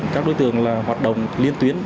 các đối tượng hoạt động liên tuyến